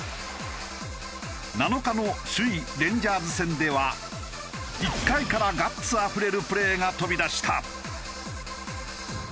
７日の首位レンジャーズ戦では１回からガッツあふれるプレーが飛び出した。